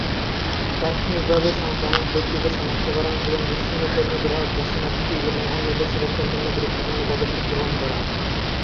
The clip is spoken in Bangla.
তাৎক্ষণিকভাবে সংক্রামক ব্যক্তিদের সনাক্তকরণ এবং বিচ্ছিন্নতা কর্মী, গ্রাহক, দর্শনার্থী এবং অন্যদের সুরক্ষার জন্য গুরুত্বপূর্ণ পদক্ষেপ গ্রহণ করা।